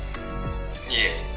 「いえ。